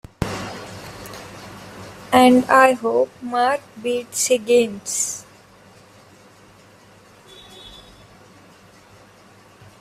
And I hope Mark beats Higgins!